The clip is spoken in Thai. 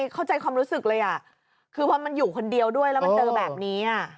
เข้าใจความรู้สึกเลยอ่ะคือพอมันอยู่คนเดียวด้วยแล้วมันเจอแบบนี้